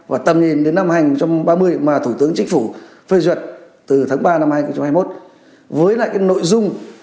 và tầm nhìn đến năm hai nghìn ba mươi mà thủ tướng chính phủ phê duyệt từ tháng ba năm hai nghìn hai mươi một với lại cái nội dung